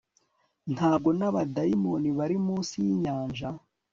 Ntabwo nabadayimoni bari munsi yinyanja